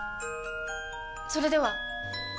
それでは！